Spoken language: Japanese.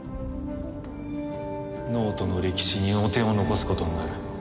脳人の歴史に汚点を残すことになる。